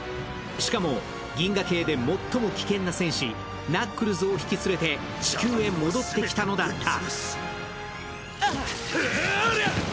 しかも、銀河系で最も危険な戦士、ナックルズを引き連れて地球へ戻ってきたのだった。